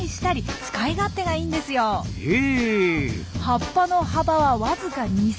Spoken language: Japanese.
葉っぱの幅はわずか２ｃｍ。